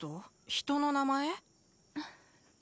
人の名前？